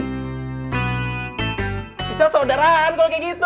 kita saudaraan kalau kayak gitu